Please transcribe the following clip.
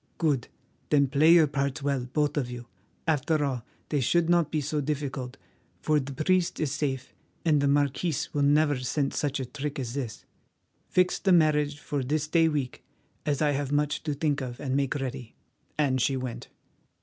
"Good. Then play your parts well, both of you. After all, they should not be so difficult, for the priest is safe, and the marquis will never scent such a trick as this. Fix the marriage for this day week, as I have much to think of and make ready," and she went.